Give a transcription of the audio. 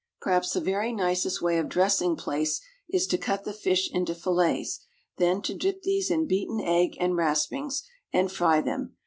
= Perhaps the very nicest way of dressing plaice is to cut the fish into fillets, then to dip these into beaten egg and raspings, and fry them.